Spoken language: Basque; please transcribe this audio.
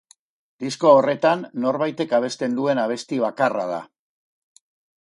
Disko horretan norbaitek abesten duen abesti bakarra da.